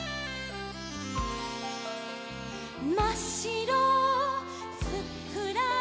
「まっしろふっくら」